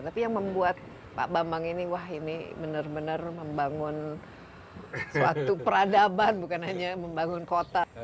tapi yang membuat pak bambang ini wah ini benar benar membangun suatu peradaban bukan hanya membangun kota